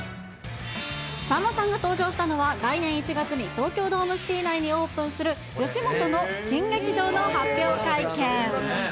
さんまさんが登場したのは、来年１月に東京ドームシティ内にオープンする吉本の新劇場の発表会見。